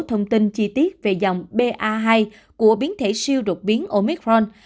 thông tin chi tiết về dòng ba của biến thể siêu đột biến omicron